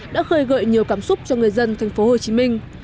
đã khơi gợi nhiều cảm xúc cho người dân thành phố hồ chí minh